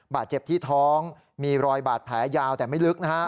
บาดเจ็บที่ท้องมีรอยบาดแผลยาวแต่ไม่ลึกนะฮะ